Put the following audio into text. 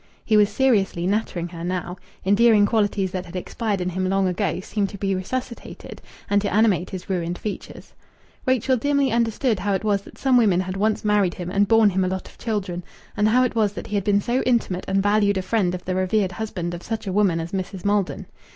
He was seriously nattering her now. Endearing qualities that had expired in him long ago seemed to be resuscitated and to animate his ruined features. Rachel dimly understood how it was that some woman had once married him and borne him a lot of children, and how it was that he had been so intimate and valued a friend of the revered husband of such a woman as Mrs. Maldon.